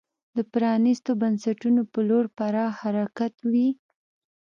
د پرانیستو بنسټونو په لور پراخ حرکت وي.